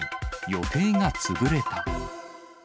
予定が潰れた。